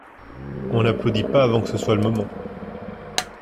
On n’applaudit pas avant que ce soit le moment.